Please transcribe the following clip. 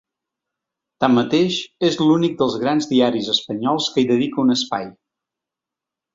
Tanmateix, és l’únic dels grans diaris espanyols que hi dedica un espai.